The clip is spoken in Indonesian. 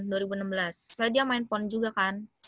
saya dia main pon juga kan